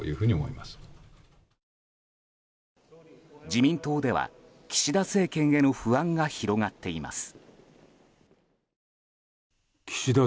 自民党では岸田政権への不安が広がっています。